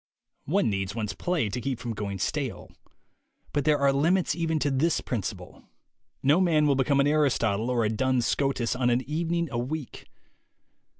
One needs one's play to keep from going stale. But there are limits even to this principle. No man will become an Aristotle or a Duns Scotus on an evening a week.